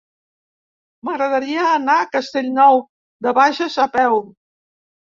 M'agradaria anar a Castellnou de Bages a peu.